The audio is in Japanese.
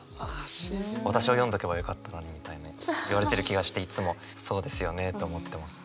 「私を読んどけばよかったのに」みたいに言われてる気がしていつもそうですよねと思ってます。